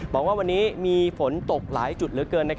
บอกว่าวันนี้มีฝนตกหลายจุดเหลือเกิน